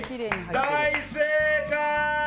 大正解！